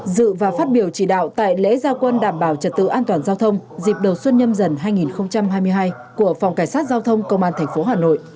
dự và phát biểu chỉ đạo tại lễ gia quân đảm bảo trật tự an toàn giao thông dịp đầu xuân nhâm dần hai nghìn hai mươi hai của phòng cảnh sát giao thông công an tp hà nội